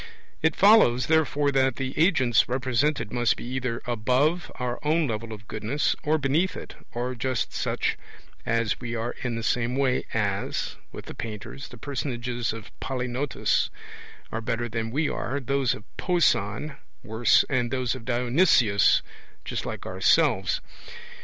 It follows, therefore, that the agents represented must be either above our own level of goodness, or beneath it, or just such as we are in the same way as, with the painters, the personages of Polygnotus are better than we are, those of Pauson worse, and those of Dionysius just like ourselves.